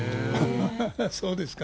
そうですか。